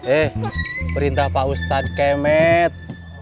eh perintah pak ustadz kemet